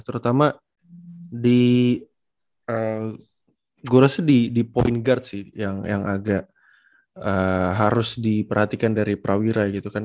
terutama di gora sedih di point guard sih yang agak harus diperhatikan dari prawira gitu kan